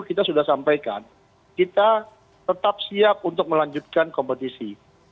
kita sudah sampaikan kita tetap siap untuk melanjutkan kompetisi